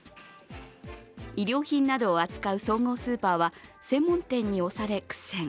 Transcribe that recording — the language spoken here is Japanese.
衣料品などを扱う総合スーパーは専門店に押され、苦戦。